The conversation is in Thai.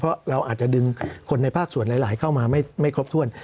เพราะเราอาจจะดึงคนในภาคส่วนหลายเข้ามาไม่ครบถ้วน